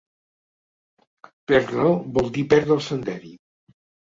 Perdre'l vol dir perdre el senderi.